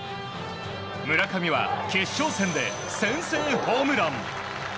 村上は決勝戦で先制ホームラン。